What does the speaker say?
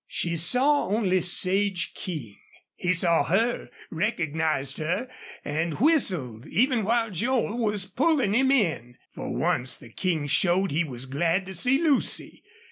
She saw only Sage King. He saw her, recognized her, and, whistled even while Joel was pulling him in. For once the King showed he was glad to see Lucy.